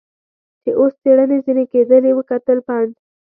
چې اوس څېړنې ځنې کېدلې وکتل، پنډ.